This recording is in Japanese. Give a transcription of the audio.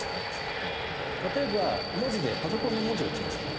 例えばパソコンで文字を打ちますよね。